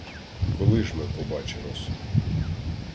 Коли ж ми побачимось?